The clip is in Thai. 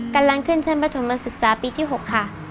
กำลังขึ้นชั้นประถมศึกษาปีที่๖ค่ะ